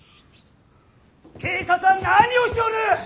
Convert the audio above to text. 警察は何をしておる！